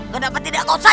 kenapa tidak kau saja